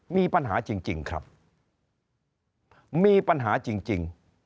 มีปัญหาจริงครับมีปัญหาจริง